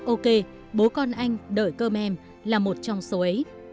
ok bố con anh đợi cơm em là một trong số ấy